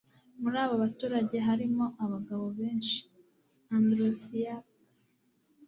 Muri abo baturage harimo abagabo benshi. (aandrusiak)